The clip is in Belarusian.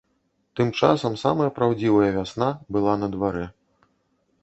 Тым часам самая праўдзівая вясна была на дварэ.